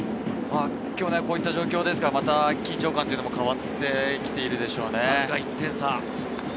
今日こういった状況ですから、緊張感というのも変わってきているでしょうね。